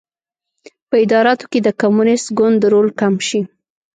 په اداراتو کې د کمونېست ګوند رول کم شي.